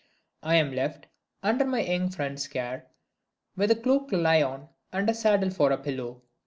I am left, under my young friend's care, with a cloak to lie on, and a saddle for a pillow.